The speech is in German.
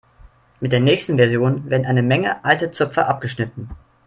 Mit der nächsten Version werden eine Menge alte Zöpfe abgeschnitten.